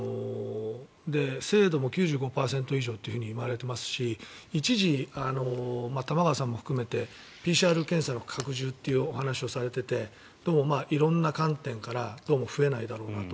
精度も９５％以上といわれていますし一時、玉川さんも含めてＰＣＲ検査の拡充というお話をされていてでも、色んな観点からどうも増えないだろうなと。